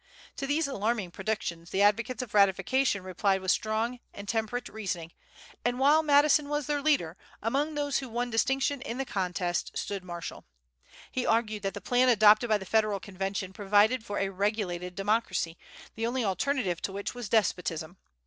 To these alarming predictions the advocates of ratification replied with strong and temperate reasoning, and, while Madison was their leader, among those who won distinction in the contest stood Marshall. He argued that the plan adopted by the Federal Convention provided for a "regulated democracy," the only alternative to which was despotism.